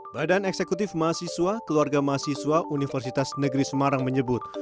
badan eksekutif mahasiswa keluarga mahasiswa universitas negeri semarang menyebut